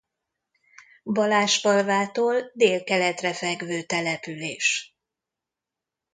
Balázsfalvától délkeletre fekvő település.